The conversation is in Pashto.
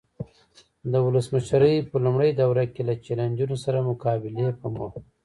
د ولسمشرۍ په لومړۍ دوره کې له چلنجونو سره مقابلې په موخه.